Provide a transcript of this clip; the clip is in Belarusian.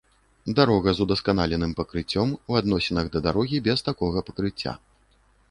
дарога з удасканаленым пакрыццём у адносінах да дарогі без такога пакрыцця